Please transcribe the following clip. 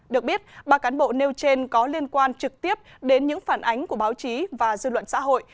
được biết ba cán bộ nêu trên có liên quan trực tiếp đến những phản ánh của báo chí và dư luận xã hội